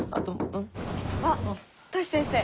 あっトシ先生。